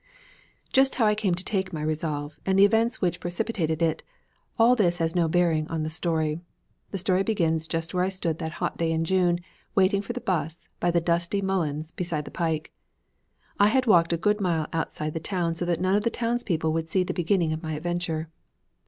Just how I came to take my resolve, and the events which precipitated it all this has no bearing on the story. The story begins just where I stood that hot day in June waiting for the 'bus by the dusty mullens beside the pike. I had walked a good mile outside the town so that none of the townspeople would see the beginning of my adventure.